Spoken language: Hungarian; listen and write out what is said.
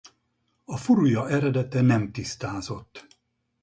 A furulya eredete nem tisztázott.